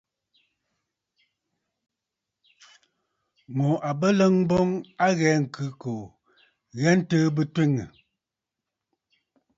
Ŋù à bə ləŋ boŋ a ghɛɛ ŋ̀khɨ̂kòò ghɛɛ ntɨɨ bɨ twiŋə̀.